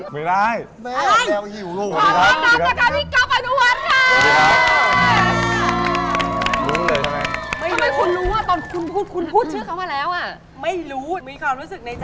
บ๊ายโห่วอยู่ในที่มืดนาน